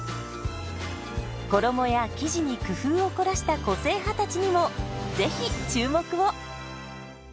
衣や生地に工夫を凝らした個性派たちにもぜひ注目を！